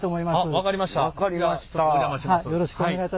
分かりました。